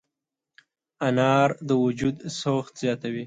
انار د وجود سوخت زیاتوي.